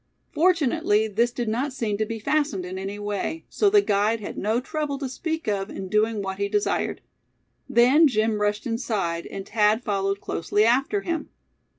Fortunately this did not seem to be fastened in any way, so the guide had no trouble to speak of in doing what he desired. Then Jim rushed inside, and Thad followed closely after him.